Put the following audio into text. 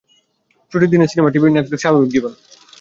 ছুটির দিনে, cinema, TV, Netflix- স্বাভাবিক জীবন।